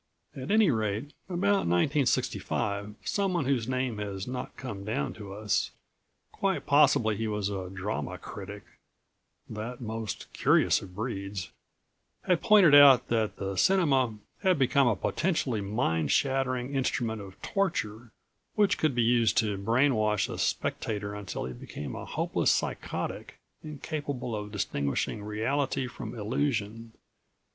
At any rate, about 1965 someone whose name has not come down to us quite possibly he was a drama critic, that most curious of breeds had pointed out that the cinema had become a potentially mind shattering instrument of torture, which could be used to brain wash a spectator until he became a hopeless psychotic, incapable of distinguishing reality from illusion.